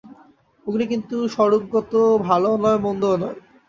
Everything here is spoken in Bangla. অগ্নি কিন্তু স্বরূপত ভালও নয়, মন্দও নয়।